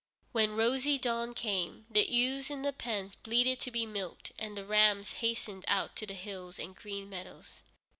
When rosy dawn came, the ewes in the pens bleated to be milked and the rams hastened out to the hills and green meadows.